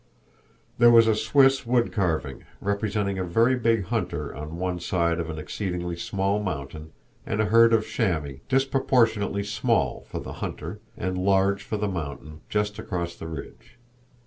There was a Swiss wood carving representing a very big hunter on one side of an exceedingly small mountain, and a herd of chamois, disproportionately small for the hunter and large for the mountain, just across the ridge.